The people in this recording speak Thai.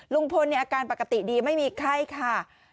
ลุงพลอาการปกติดีไม่มีไข้ค่ะ